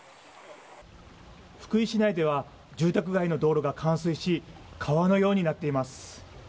福井市内では、住宅街の道路が冠水し、川のようになっています。